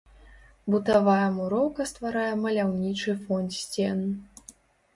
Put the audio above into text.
Бутавая муроўка стварае маляўнічы фон сцен.